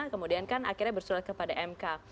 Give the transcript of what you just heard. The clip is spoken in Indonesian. kemudian kan akhirnya bersurat kepada mk